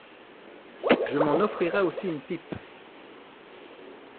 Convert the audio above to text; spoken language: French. Je m’en offrirai aussi une pipe.